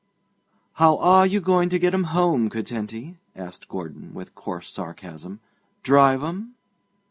'How are you going to get 'em home, Curtenty?' asked Gordon, with coarse sarcasm; 'drive 'em?'